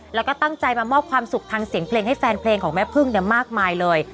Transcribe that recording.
แล้วก็ตั้งใจมามอบความสุขทางเสียงเพลงให้แฟนเพลงของแม่พึ่งมากมายเลย